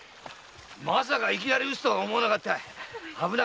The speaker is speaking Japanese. まさかいきなり撃つとは思わなかったぜ。